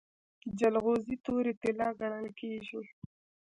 جلغوزي تورې طلا ګڼل کیږي.